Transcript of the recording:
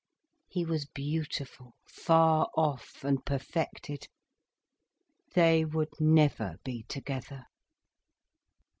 He was beautiful, far off, and perfected. They would never be together.